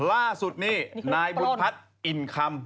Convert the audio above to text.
ล่าสุดนี่นายบุญพัฒน์อินคำ